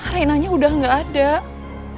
reinanya udah gak ada lagi bu